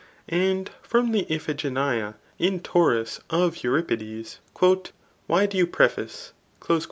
And [from the Iphigenia in Tauris of Euripides,] •* Why do you preface